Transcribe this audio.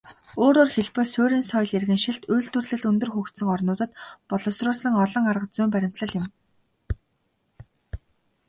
Өөрөөр хэлбэл, суурин соёл иргэншилт, үйлдвэрлэл өндөр хөгжсөн орнуудад боловсруулсан онол аргазүйн баримтлал юм.